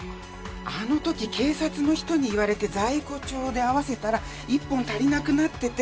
あの時警察の人に言われて在庫帳で合わせたら１本足りなくなってて。